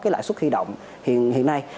cái lãi suất khuy động hiện nay